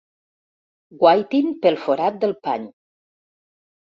Guaitin pel forat del pany.